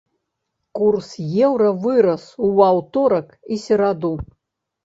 Курс еўра вырас ў аўторак і сераду.